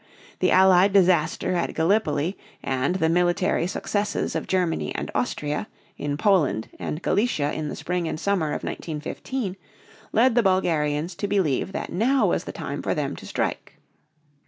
The Allied disaster at Gallipoli and the military successes of Germany and Austria in Poland and Galicia in the spring and summer of 1915 led the Bulgarians to believe that now was the time for them to strike.